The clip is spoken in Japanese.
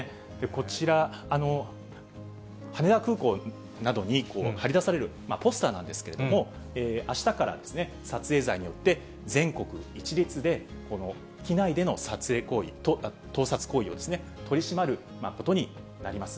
こちら、羽田空港などに貼り出されるポスターなんですけれども、あしたから撮影罪によって、全国一律で機内での撮影行為、盗撮行為を取り締まることになります。